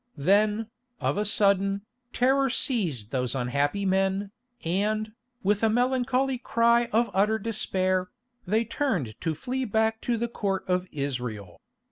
Then, of a sudden, terror seized those unhappy men, and, with a melancholy cry of utter despair, they turned to flee back to the Court of Israel.